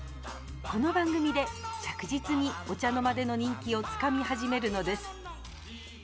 この番組で着実にお茶の間での人気をつかみ始めるのです。